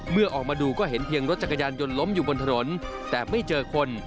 เมื่อออกมาดูก็เห็นเพียงรถจักรยานยนต์ล้มอยู่บนถนนแต่ไม่เจอคน